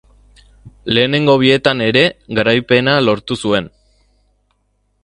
Lehenengo bietan ere garipena lortu zuen.